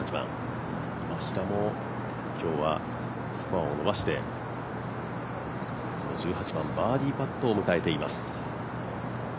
今平も今日はスコアを伸ばしてこの１８番、バーディーパットを迎えています。